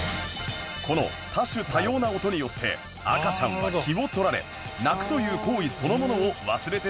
この多種多様な音によって赤ちゃんは気を取られ泣くという行為そのものを忘れてしまうんだとか